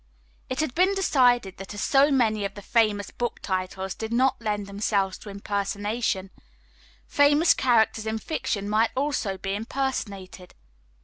It had been decided that as so many of the famous book titles did not lend themselves to impersonation, famous characters in fiction might also be impersonated.